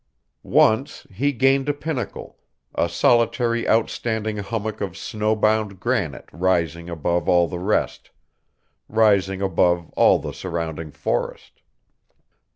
Once he gained a pinnacle, a solitary outstanding hummock of snow bound granite rising above all the rest, rising above all the surrounding forest.